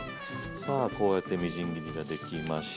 さあこうやってみじん切りが出来ました。